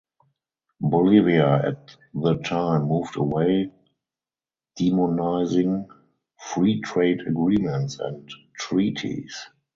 Bolivia at the time moved away demonizing free trade agreements and treaties.